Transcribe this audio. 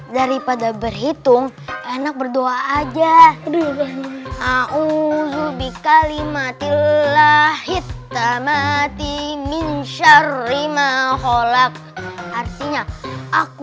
daripada berhitung enak berdoa aja